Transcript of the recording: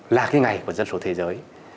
là ngày của dân số thế giới